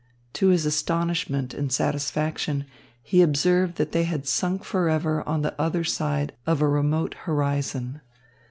To his astonishment and satisfaction he observed that they had sunk forever on the other side of a remote horizon.